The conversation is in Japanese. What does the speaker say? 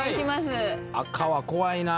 赤は怖いな。